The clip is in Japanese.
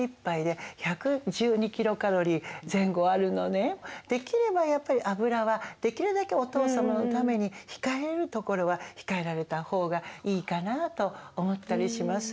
やっぱりちょっとできればやっぱり油はできるだけお父様のために控えるところは控えられた方がいいかなと思ったりします。